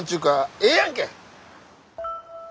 ええやんけ？